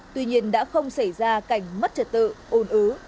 tuy nhiên đã không xảy ra cảnh mất trật tự ồn ứ